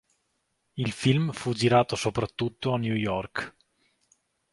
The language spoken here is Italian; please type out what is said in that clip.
Il film fu girato soprattutto a New York.